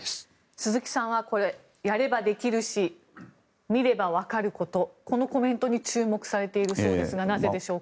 鈴木さんはやればできるし見ればわかることこのコメントに注目されているそうですがなぜでしょうか。